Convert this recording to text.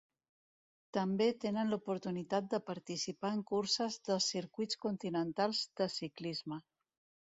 També tenen l'oportunitat de participar en curses dels circuits continentals de ciclisme.